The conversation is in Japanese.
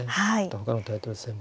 ほかのタイトル戦もね。